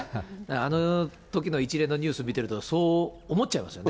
あのときの一連のニュース見てると、そう思っちゃいますよね。